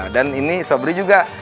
dan ini sobri juga